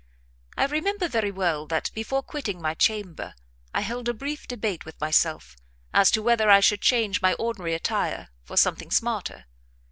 I remember very well that before quitting my chamber, I held a brief debate with myself as to whether I should change my ordinary attire for something smarter.